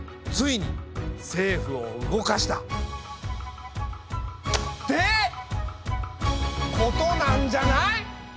ついに政府を動かした。ってことなんじゃない？